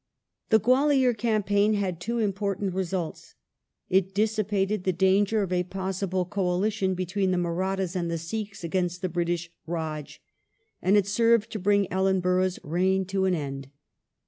The Gwalior campaign had two important results : it dissipated the danger of a possible coalition between the Mardthas and the Sikhs against the British Raj ; and it served to bring Ellenborough's reign to an end.